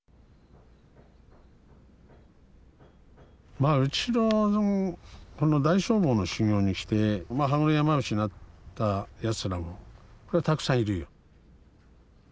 まあうちの大聖坊の修行に来て羽黒山伏になったやつらもこれはたくさんいるよ。